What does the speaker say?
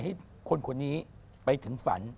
ให้คนคนนี้ไปถึงฝัน